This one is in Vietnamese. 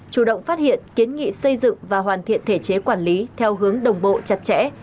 chủ động phát hiện kiến nghị xây dựng và hoàn thiện thể chế quản lý theo hướng đồng bộ chặt chẽ